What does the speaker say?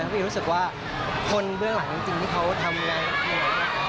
พี่รู้สึกว่าคนเบื้องหลังจริงที่เขาทำงานอยู่